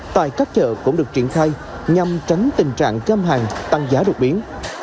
tại các chợ cũng được triển khai nhằm tránh tình trạng cơm hàng tăng giá đột biến